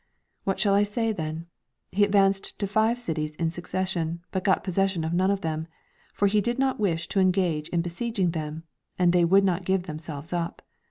"* What shall I say then ? He advanced to five cities in succession, but got possession of none of them ; for he did not wish to engage in besieging them, and they would not give themselv^es up.